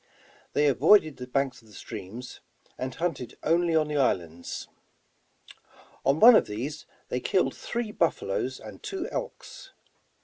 They avoided the banks of the streams, and hunted only on the islands. On one of these they killed three buffaloes and two elks.